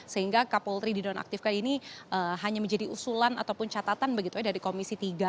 sehingga kapolri di nonaktifkan ini hanya menjadi usulan ataupun catatan begitu ya dari komisi tiga